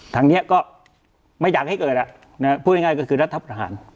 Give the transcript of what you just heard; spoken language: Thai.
ทางเนี้ยก็ไม่อยากให้เกิดแล้วนะครับพูดง่ายก็คือรัฐประหาร